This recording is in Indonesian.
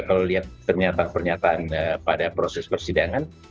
kalau lihat ternyata pernyataan pada proses persidangan